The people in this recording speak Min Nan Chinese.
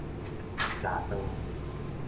閘斷